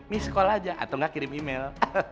miss call aja atau nggak kirim email